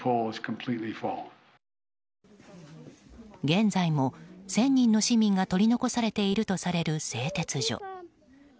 現在も１０００人の市民が取り残されているとされる製鉄所。